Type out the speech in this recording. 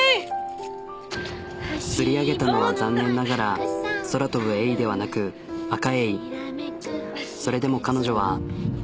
釣り上げたのは残念ながら空飛ぶエイではなくそれでも彼女は。